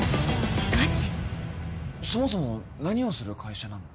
そもそも何をする会社なの？